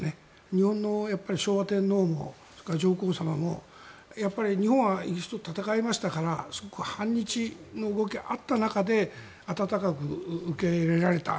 日本の昭和天皇も上皇さまもやっぱり、日本はイギリスと戦いましたからすごく反日の動きがあった中で温かく受け入れられた。